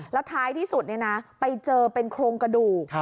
แล้วท้ายที่สุดไปเจอเป็นโครงกระดูก